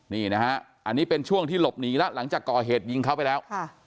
นี่นะฮะอันนี้เป็นช่วงที่หลบหนีแล้วหลังจากก่อเหตุยิงเขาไปแล้ว